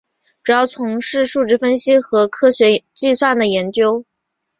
主要从事数值分析和科学计算的研究。